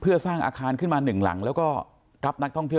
เพื่อสร้างอาคารขึ้นมาหนึ่งหลังแล้วก็รับนักท่องเที่ยว